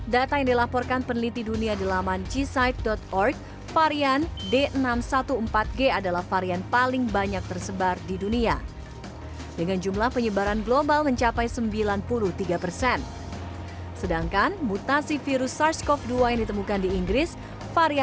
dari tujuh dilaporkan mencapai lebih dari lima persen kasus virus corona di dunia